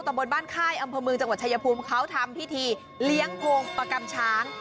บนบ้านค่ายอำเภอเมืองจังหวัดชายภูมิเขาทำพิธีเลี้ยงโพงประกำช้าง